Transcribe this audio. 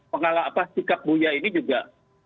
pengalaman sikap buya ini juga